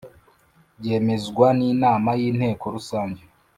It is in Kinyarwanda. byemezwa n Inama y Inteko Rusange